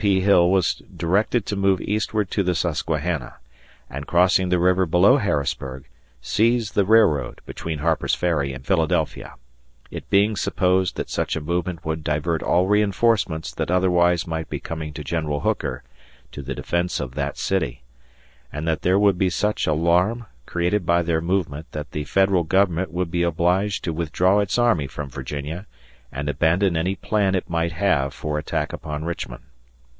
P. Hill was directed to move eastward to the Susquehanna, and crossing the river below Harrisburg, seize the railroad between Harper's Ferry and Philadelphia; it being supposed that such a movement would divert all reinforcements that otherwise might be coming to General Hooker to the defense of that city; and that there would be such alarm created by their movement that the Federal Government would be obliged to withdraw its army from Virginia and abandon any plan it might have for attack upon Richmond.